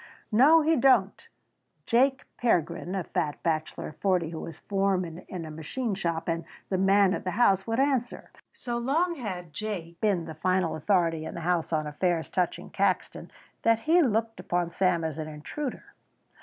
"No, he don't," Jake Pergrin, a fat bachelor of forty who was foreman in a machine shop and the man of the house, would answer. So long had Jake been the final authority in the house on affairs touching Caxton that he looked upon Sam as an intruder.